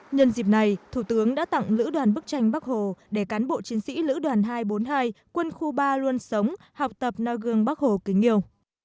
nhân dịp này thủ tướng đã tặng lữ đoàn bức tranh bắc hồ để cán bộ chiến sĩ lữ đoàn hai trăm bốn mươi hai quân khu ba luôn sống học tập no gương bắc hồ kính yêu